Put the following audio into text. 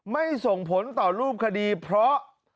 ส่งผลต่อรูปคดีเพราะ